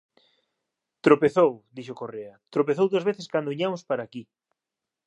“Tropezou”, dixo Correa, “tropezou dúas veces cando viñamos para aquí”.